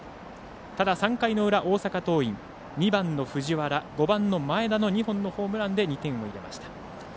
ただ、３回の裏、大阪桐蔭２番の藤原、５番の前田の２本のホームランで２点を挙げました。